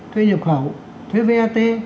thuế nhập khẩu thuế vat